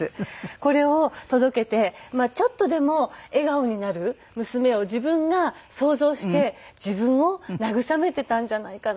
これを届けてちょっとでも笑顔になる娘を自分が想像して自分を慰めていたんじゃないかななんて思うんですよね。